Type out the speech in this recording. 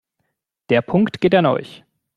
Der Punkt geht an euch.